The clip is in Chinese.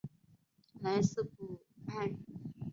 莱斯普埃。